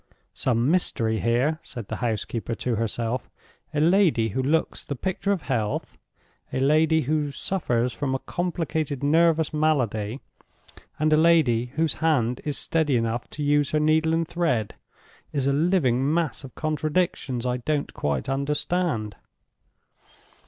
"Some mystery here," said the housekeeper to herself. "A lady who looks the picture of health; a lady who suffers from a complicated nervous malady; and a lady whose hand is steady enough to use her needle and thread—is a living mass of contradictions I don't quite understand.